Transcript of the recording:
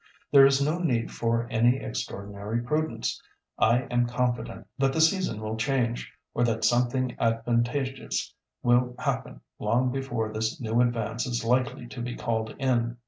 ')—there is no need for any extraordinary prudence. I am confident that the season will change, or that something advantageous will happen long before this new advance is likely to be called in.